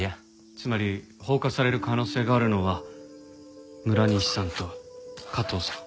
つまり放火される可能性があるのは村西さんと加藤さん。